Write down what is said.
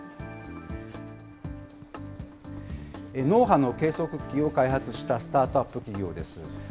脳波の計測器を開発したスタートアップ企業です。